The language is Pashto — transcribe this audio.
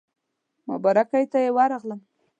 مبارکۍ ته یې ورغلم.